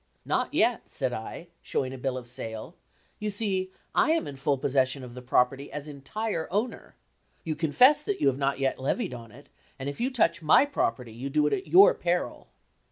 "Not yet," said I, showing a bill of sale, "you see I am in full possession of the property as entire owner. You confess that you have not yet levied on it, and if you touch my property, you do it at your peril."